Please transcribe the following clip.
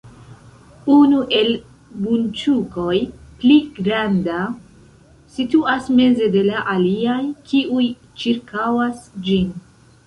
Unu el bunĉukoj, pli granda, situas meze de la aliaj, kiuj ĉirkaŭas ĝin.